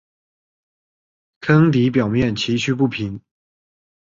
坑底表面崎岖不平。